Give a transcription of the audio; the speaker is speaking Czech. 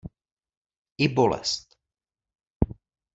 I bolest.